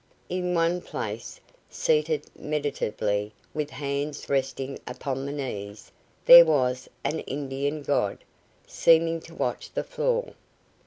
In one place, seated meditatively, with hands resting upon the knees, there was an Indian god, seeming to watch the floor.